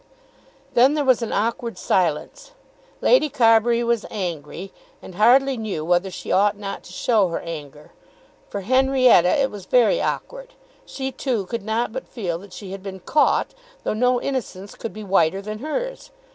Then there was an awkward silence. Lady Carbury was angry, and hardly knew whether she ought or ought not to show her anger. For Henrietta it was very awkward. She, too, could not but feel that she had been caught, though no innocence could be whiter than hers.